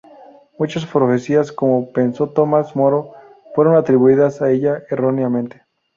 Muchas profecías, como pensó Tomás Moro, fueron atribuidas a ella erróneamente.